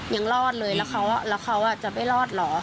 ยังรอดเลยแล้วเขาแล้วเขาอ่ะจะไม่รอดเหรอ